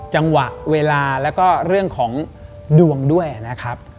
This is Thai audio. จังหวะเวลาแล้วก็เรื่องของดวงด้วยนะครับ